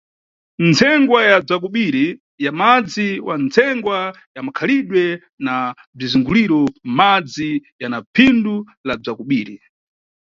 Ntsengwa ya bza kobiri ya madzi wa ntsengwa ya makhalidwe na bzizunguliro, madzi yana phindu la bza kobiri.